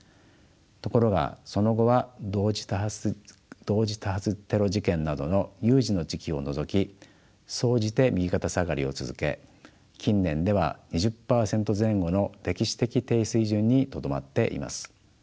ところがその後は同時多発テロ事件などの有事の時期を除き総じて右肩下がりを続け近年では２０％前後の歴史的低水準にとどまっています。